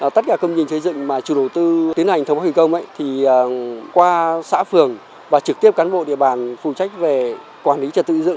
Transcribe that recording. tất cả công trình xây dựng mà chủ đầu tư tiến hành thống thành công qua xã phường và trực tiếp cán bộ địa bàn phụ trách về quản lý trật tự xây dựng